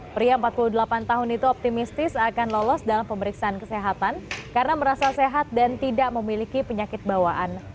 pria empat puluh delapan tahun itu optimistis akan lolos dalam pemeriksaan kesehatan karena merasa sehat dan tidak memiliki penyakit bawaan